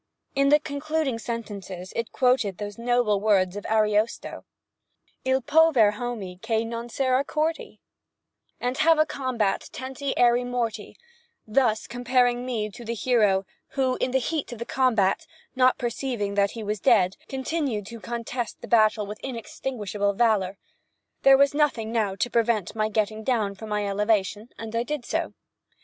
In the concluding sentences it quoted the noble words of Ariosto— Il pover hommy che non sera corty And have a combat tenty erry morty; thus comparing me to the hero who, in the heat of the combat, not perceiving that he was dead, continued to contest the battle with inextinguishable valor. There was nothing now to prevent my getting down from my elevation, and I did so.